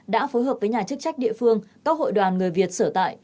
đã phối hợp với nhà chức trách địa phương các hội đoàn người việt sở tại